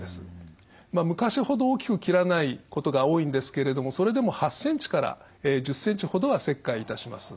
昔ほど大きく切らないことが多いんですけれどもそれでも８ｃｍから１０ｃｍほどは切開いたします。